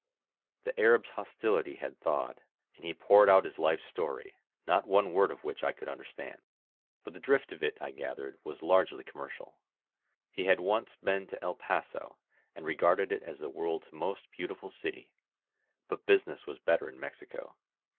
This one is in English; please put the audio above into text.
The Arab's hostility had thawed, and he poured out his life's story, not one word of which I could understand. But the drift of it, I gathered, was largely commercial. He had once been to El Paso and regarded it as the world's most beautiful city. But business was better in Mexico.